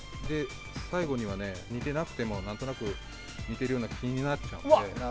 最後には似てなくても何となく似ているような気になっちゃうので。